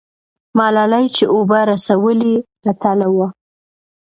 ملالۍ چې اوبه رسولې، اتله وه.